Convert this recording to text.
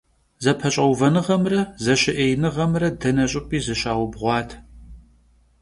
ЗэпэщӀэувэныгъэмрэ зэщыӀеиныгъэмрэ дэнэ щӀыпӀи зыщаубгъуат.